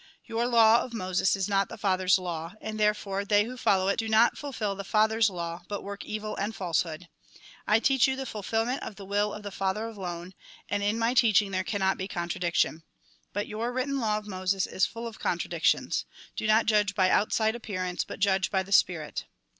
" Your law of Moses is not the Father's law, and, therefore, they who follow it do not fulfil the Father's law, but work evil and falsehood. I teach 92 THE GOSPEL IN BRIEF you the fulfilment of the will of the Father alone, and in my teaching there cannot be contradiction. But your written law of Moses is all full of contra dictions. Do not judge by outside appearance, but judge by the spirit."